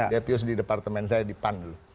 dia puas di departemen saya di pan dulu